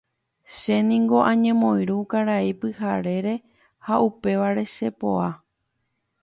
Chéniko añemoirũ karai Pyharére ha upévare chepo'a.